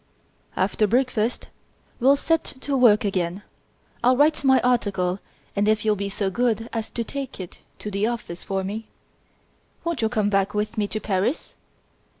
"After breakfast, we'll set to work again. I'll write my article and if you'll be so good as to take it to the office for me " "Won't you come back with me to Paris?"